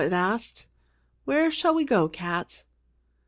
it asked. "Where shall we go, Cat?"